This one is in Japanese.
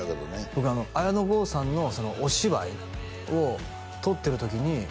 僕「綾野剛さんのお芝居を撮ってる時に」